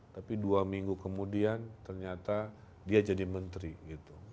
tapi dua minggu kemudian ternyata dia jadi menteri gitu